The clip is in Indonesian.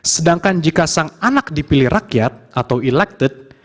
sedangkan jika sang anak dipilih rakyat atau elected